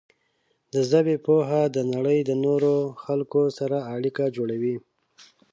د ژبې پوهه د نړۍ د نورو خلکو سره اړیکه جوړوي.